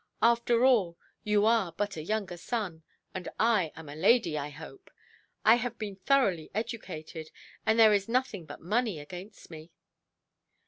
After all, you are but a younger son; and I am a lady, I hope. I have been thoroughly educated; and there is nothing but money against me".